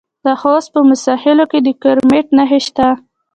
د خوست په موسی خیل کې د کرومایټ نښې شته.